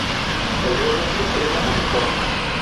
El vientre es crema uniforme.